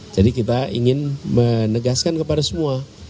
jadi kita ingin menegaskan kepada semua